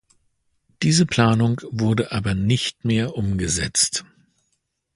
Diese Planung wurde aber nicht mehr umgesetzt.